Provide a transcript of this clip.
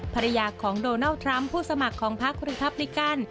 ภรรยาของโดนัลด์ทรัมป์ผู้สมัครของพักรีพับลิกัน